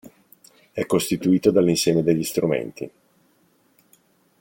È costituito dall'insieme degli strumenti.